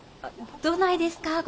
どないですか？